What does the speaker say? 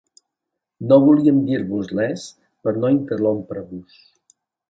No volíem dir-vos res per no interrompre-vos.